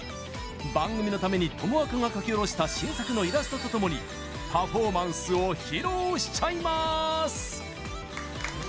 番組のために、ともわかが描き下ろした新作のイラストとともにパフォーマンスを披露しちゃいます！